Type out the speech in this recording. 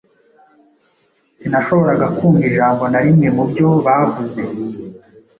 Sinashoboraga kumva ijambo na rimwe mubyo bavuze.